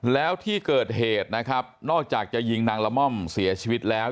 แล้วที่เกิดเหตุนะครับนอกจากจะยิงนางละม่อมเสียชีวิตแล้ว